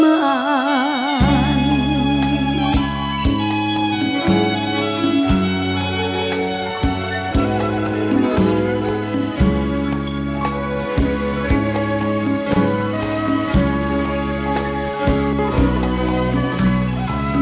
เมื่อเจ้าที่ดื่มกลับไป